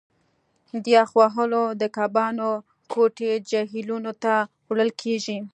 د یخ وهلو د کبانو کوټې جهیلونو ته وړل کیږي